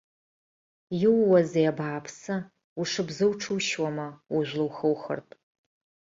Иууазеи, абааԥсы, ушыбзоу уҽушьуама, ужәла ухухыртә!